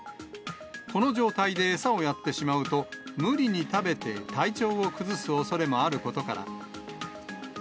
この状態で餌をやってしまうと、無理に食べて体調を崩すおそれもあることから。